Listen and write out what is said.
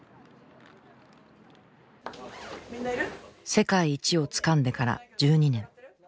世界一をつかんでから１２年。